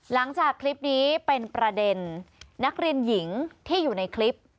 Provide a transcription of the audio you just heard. หลังจากคลิปนี้เป็นประเด็นนักเรียนหญิงที่อยู่ในคลิป